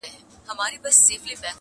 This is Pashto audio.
شمع كوچ سوه د محفل له ماښامونو-